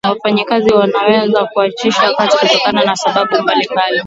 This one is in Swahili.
wafanyakazi wanaweza kuachishwa kazi kutokana na sababu mbalimbali